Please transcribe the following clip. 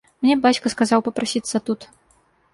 Мне бацька сказаў папрасіцца тут.